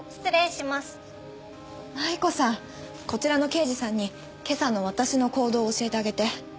こちらの刑事さんに今朝の私の行動を教えてあげて。